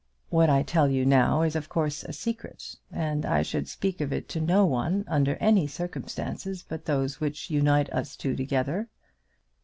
What I tell you now is of course a secret; and I should speak of it to no one under any circumstances but those which unite us two together.